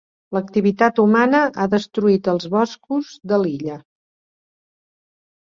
L'activitat humana ha destruït els boscos de l'illa.